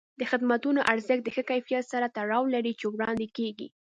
د خدمتونو ارزښت د هغه کیفیت سره تړاو لري چې وړاندې کېږي.